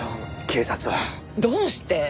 どうして？